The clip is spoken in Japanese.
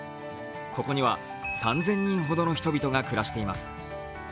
ここには３０００人ほどの人々が暮らしています。